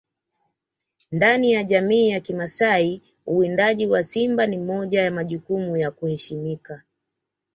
Ndani ya jamii ya kimasai uwindaji wa simba ni moja ya majukumu ya kuheshimika